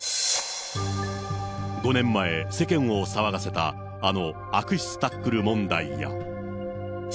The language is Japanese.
５年前、世間を騒がせたあの悪質タックル問題や。